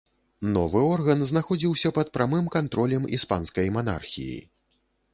Новы орган знаходзіўся пад прамым кантролем іспанскай манархіі.